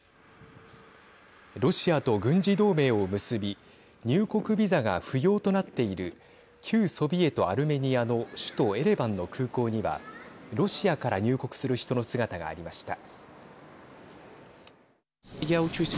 ロシアと軍事同盟を結び入国ビザが不要となっている旧ソビエト、アルメニアの首都エレバンの空港にはロシアから入国する人の姿がありました。